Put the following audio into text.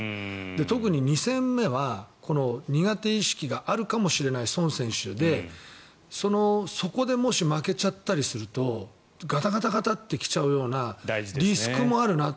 特に２戦目は苦手意識があるかもしれないソン選手でそこでもし負けちゃったりするとガタガタガタって来ちゃうようなリスクもあるなと。